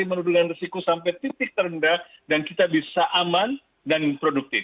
jadi menurunkan risiko sampai titik terendah dan kita bisa aman dan produktif